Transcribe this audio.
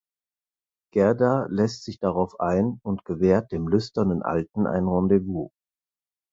Gerda lässt sich darauf ein und gewährt dem lüsternen Alten ein Rendezvous.